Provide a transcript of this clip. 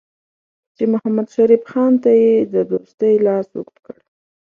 چې محمدشریف خان ته یې د دوستۍ لاس اوږد کړ.